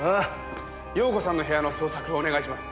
容子さんの部屋の捜索をお願いします。